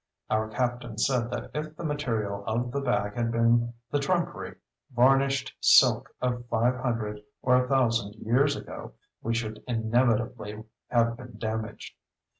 Our captain said that if the material of the bag had been the trumpery varnished "silk" of five hundred or a thousand years ago, we should inevitably have been damaged.